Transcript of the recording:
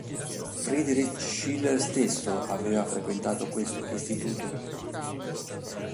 Friedrich Schiller stesso aveva frequentato questo istituto.